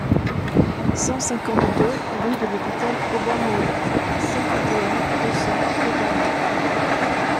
cent cinquante-deux rue de l'Hôpital Auban Moët, cinquante et un, deux cents, Épernay